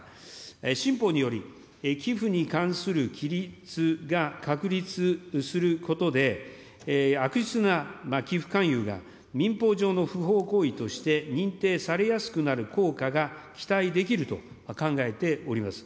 新法により、寄付に関する規律が確立することで、悪質な寄付勧誘が民法上の不法行為として認定されやすくなる効果が期待できると考えております。